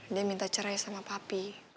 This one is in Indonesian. dia minta cerai sama papi